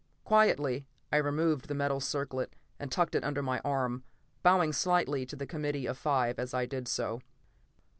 Quietly, I removed the metal circlet and tucked it under my arm, bowing slightly to the committee of five as I did so.